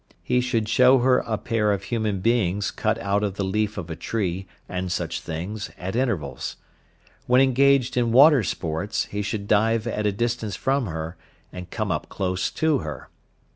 He should show her a pair of human beings cut out of the leaf of a tree, and such like things, at intervals. When engaged in water sports, he should dive at a distance from her, and come up close to her.